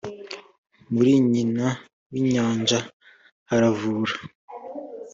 muri nyina w’ inyanja haravura